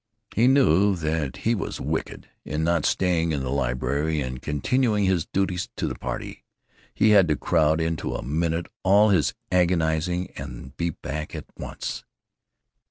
He knew that he was wicked in not staying in the library and continuing his duties to the party. He had to crowd into a minute all his agonizing and be back at once.